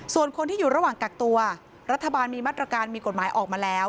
ส่วนคนที่อยู่ระหว่างกักตัวรัฐบาลมีมาตรการมีกฎหมายออกมาแล้ว